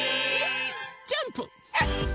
ジャンプ！